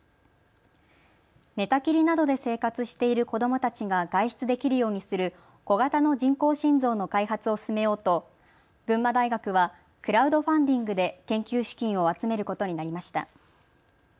寝たきりなどで生活している子どもたちが外出できるようにする小型の人工心臓の開発を進めようと群馬大学はクラウドファンディングで研究資金を集めることになりました。